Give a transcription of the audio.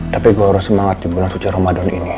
tapi gue harus semangat di bulan suci ramadan ini